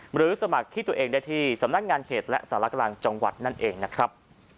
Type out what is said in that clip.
หรือสมัครที่ตัวเองได้ที่สำนักงานเขตและสารกลางจังหวัดนั่นเองนะครับ